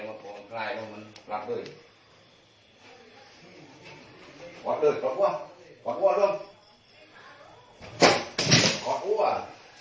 ล้างด้วยกอดด้วยกอดกว่ากอดกว่าด้วยกอดกว่า